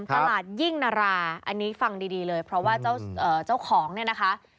ตลาดยิ่งนาราอันนี้ฟังดีเลยเพราะว่าเจ้าของเนี่ยนะคะ